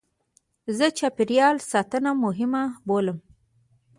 زه چاپېریال ساتنه مهمه بولم.